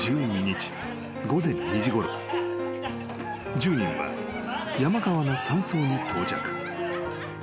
［１０人は山川の山荘に到着］